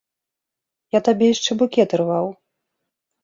Я табе яшчэ букет ірваў.